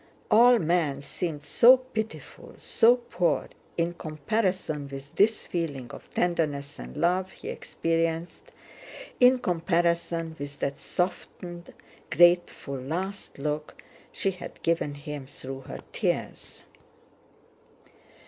All men seemed so pitiful, so poor, in comparison with this feeling of tenderness and love he experienced: in comparison with that softened, grateful, last look she had given him through her tears.